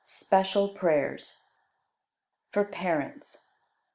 Special Prayers. For Parents. 109.